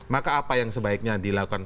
maka apa yang sebaiknya dilakukan